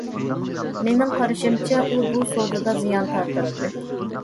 مېنىڭ قارىشىمچە، ئۇ بۇ سودىدا زىيان تارتاتتى.